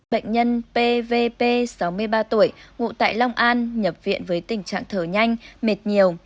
bệnh nhân pvp sáu mươi ba tuổi ngụ tại long an nhập viện với tình trạng thở nhanh mệt nhiều